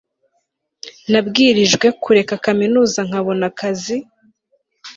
nabwirijwe kureka kaminuza nkabona akazi